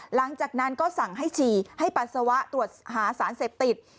หลังจากนั้นก็สั่งให้ฉี่ให้ปัสสาวะตรวจหาสารเสพติด